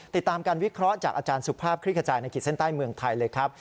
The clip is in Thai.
ติดตามการวิเคราะห์จากอาจารย์สุภาพคลิกขจายในขีดเส้นใต้เมืองไทยเลยครับ